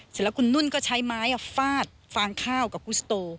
เสร็จแล้วคุณนุ่นก็ใช้ไม้ฟาดฟางข้าวกับกุศโต